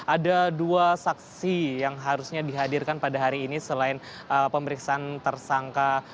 ada dua saksi yang harusnya dihadirkan pada hari ini selain pemeriksaan tersangka